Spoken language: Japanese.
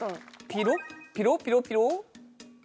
ピロピロピロピロ。